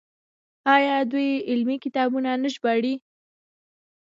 آیا دوی علمي کتابونه نه ژباړي؟